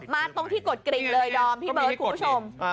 ตรงที่กดกริ่งเลยดอมพี่เบิร์ดคุณผู้ชม